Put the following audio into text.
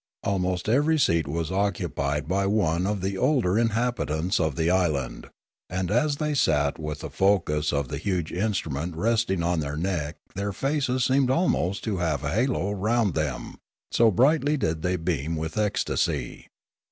Almost every seat was occupied by one of the older in habitants of the island, and as they sat with the focus of the huge instrument resting on their neck their faces seemed almost to have a halo round them, so brightly did they beam with ecstasy.